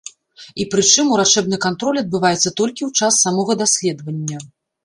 І прычым урачэбны кантроль адбываецца толькі ў час самога даследавання.